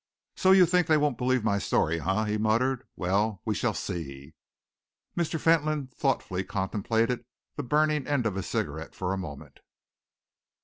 "So you think they won't believe my story, eh?" he muttered. "Well, we shall see." Mr. Fentolin thoughtfully contemplated the burning end of his cigarette for a moment.